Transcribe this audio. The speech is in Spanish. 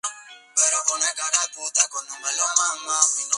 Jacqueline sentía simpatía por el protestantismo que su marido desaprobó.